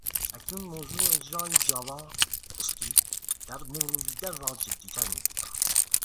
اکنون، موضوع اجرای جاوا اسکریپت در مرورگر را جدیتر میگیرم.